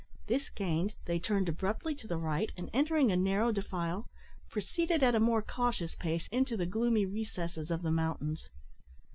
This gained, they turned abruptly to the right, and, entering a narrow defile, proceeded at a more cautious pace into the gloomy recesses of the mountains.